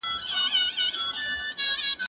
زه اوس کتابتون ته کتاب وړم!؟